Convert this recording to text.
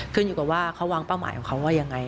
ขึ้นอยู่กับว่าเขาวางเป้าหมายของเขาว่ายังไง